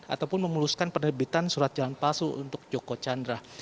ataupun memuluskan penerbitan surat jalan palsu untuk joko chandra